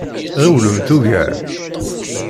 Ɣiwlemt ugar!